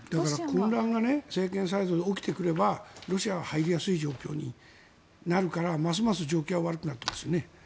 混乱が政権サイドで起きてくればロシアが入りやすい状況になるからますます状況は悪くなりますよね。